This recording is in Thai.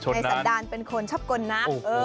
ในสันดานเป็นคนช็อปกลณะ